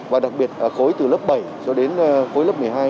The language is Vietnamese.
và đặc biệt khối từ lớp bảy cho đến cuối lớp một mươi hai